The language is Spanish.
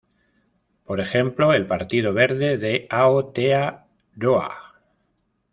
Por ejemplo, el Partido Verde de Aotearoa.